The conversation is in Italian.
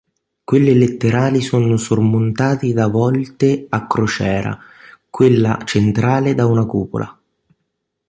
Quelle laterali sono sormontati da volte a crociera, quella centrale da una cupola.